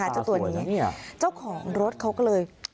เจ้าตัวนี้เจ้าของรถเขาก็เลย